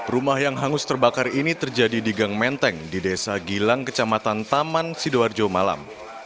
rumah yang hangus terbakar ini terjadi di gang menteng di desa gilang kecamatan taman sidoarjo malam